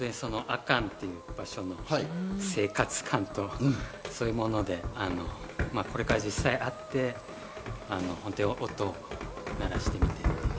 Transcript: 阿寒いう場所の生活感とそういうもので、これから実際会って音を鳴らしてみて。